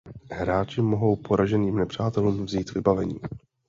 Hráči mohou poraženým nepřátelům vzít vybavení.